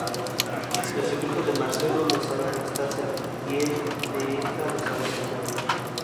El secreto de Marcelo lo sabe Anastasia y el de esta lo sabe Santiago.